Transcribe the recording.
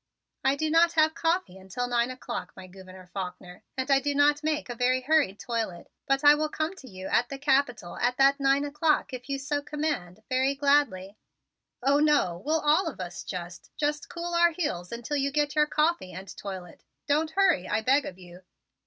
"I do not have coffee until nine o'clock, my Gouverneur Faulkner, and I do not make a very hurried toilet, but I will come to you at the Capitol at that nine o'clock if you so command very gladly." "Oh, no, we'll all of us just just cool our heels until you get your coffee and toilet. Don't hurry, I beg of you!